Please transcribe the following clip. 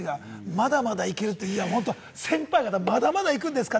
まだまだいけるという、先輩方はまだまだ行くんですか？